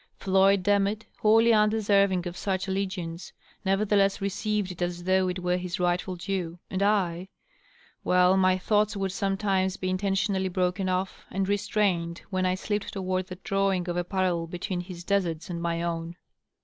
Floyd De motte, wholly undeserving of such allegiance, nevertheless received it as though it were his rightful due. And I — ^well, my thoughts would sometimes be intentionally broken off and restrained when I slipped toward the drawing of a parallel between his deserts and my own.